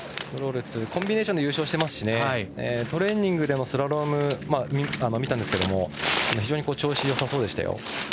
コンビネーションで優勝していますしトレーニングでスラロームを見たんですけど非常に調子よさそうでしたよ。